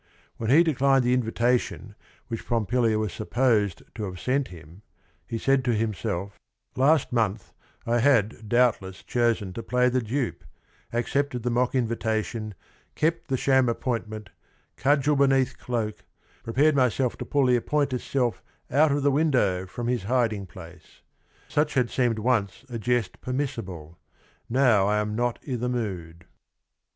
When he declined the invitation which Pompilia was supposed to have sent him, he said to himself: "Last month, I had doubtless chosen to play the dupe, Accepted the mock invitation, kept The sham appointment, cudgel beneath cloak, Prepared myself to pull the appointer's self Out of the window from his hiding place. ... Such had seemed once a jest permissible : Now I am not i' the mood."